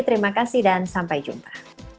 terima kasih dan sampai jumpa